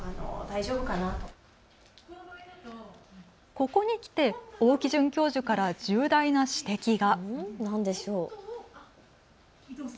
ここに来て大木准教授から重大な指摘が。